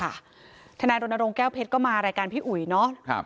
ค่ะธนาโดนโรงแก้วเพชรก็มารายการพี่อุ๋ยเนอะ